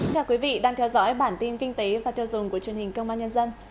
chào quý vị đang theo dõi bản tin kinh tế và tiêu dùng của truyền hình công an nhân dân